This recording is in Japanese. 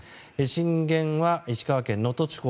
震源は石川県能登地方。